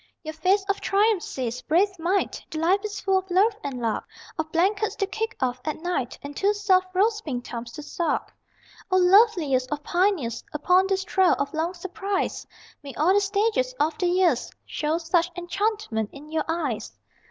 Your face of triumph says, brave mite, That life is full of love and luck Of blankets to kick off at night, And two soft rose pink thumbs to suck. O loveliest of pioneers Upon this trail of long surprise, May all the stages of the years Show such enchantment in your eyes!